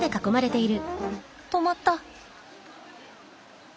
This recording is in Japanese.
止まった。